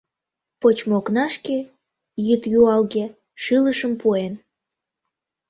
Почмо окнашке йӱд юалге шӱлышым пуэн.